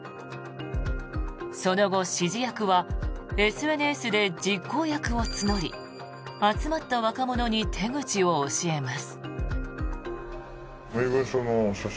その後、指示役はＳＮＳで実行役を募り集まった若者に手口を教えます。